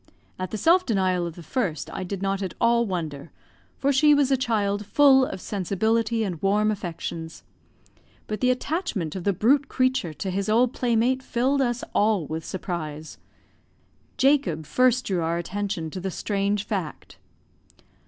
At the self denial of the first I did not at all wonder, for she was a child full of sensibility and warm affections, but the attachment of the brute creature to his old playmate filled us all with surprise. Jacob first drew our attention to the strange fact.